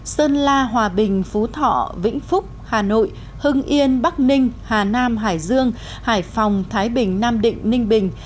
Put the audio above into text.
sơn la hòa bình phú thọ vĩnh phúc hà nội hưng yên bắc ninh hà nam hải dương hải phòng thái bình nam định ninh bình